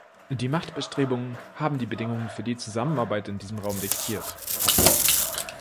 Die Machtbestrebungen haben die Bedingungen für die Zusammenarbeit in diesem Raum diktiert.